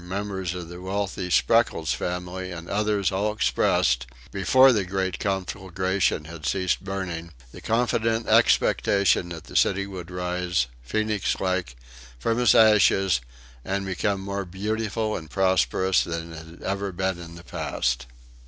members of the wealthy Spreckels family and others all expressed, before the great conflagration had ceased burning, the confident expectation that the city would rise, Phoenix like, from its ashes and become more beautiful and prosperous than it had ever been in the past.